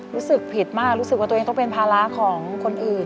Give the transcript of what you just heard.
รู้สึกผิดมากรู้สึกว่าตัวเองต้องเป็นภาระของคนอื่น